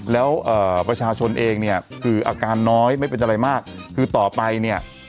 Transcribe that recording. แล้วประชาชนเองเนี่ยคืออาการน้อยไม่เป็นอะไรมากคือต่อไปเนี่ย